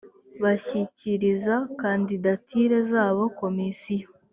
bashyikiriza kandidatire zabo komisiyo